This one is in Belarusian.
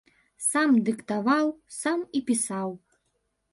Сам дыктаваў, сам і пісаў.